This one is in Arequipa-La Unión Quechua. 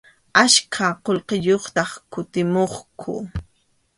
Achka qullqiyuqtaq kutimuqku.